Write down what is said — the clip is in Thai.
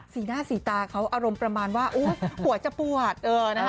สีหน้าสีตาเขาอารมณ์ประมาณว่าหัวจะปวด